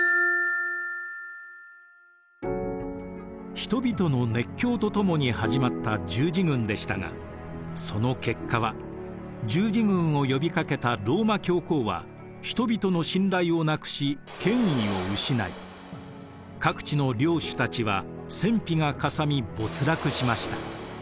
人々の熱狂とともに始まった十字軍でしたがその結果は十字軍を呼びかけたローマ教皇は人々の信頼をなくし権威を失い各地の領主たちは戦費がかさみ没落しました。